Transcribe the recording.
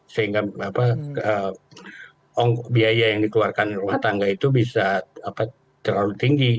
sehingga biaya yang dikeluarkan rumah tangga itu bisa terlalu tinggi